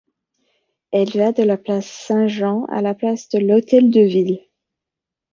Elle va de la place Saint-Jean à la place de l'Hôtel-de-Ville.